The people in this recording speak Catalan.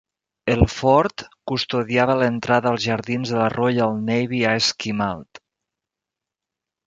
El Fort custodiava l'entrada als jardins de la Royal Navy a Esquimalt.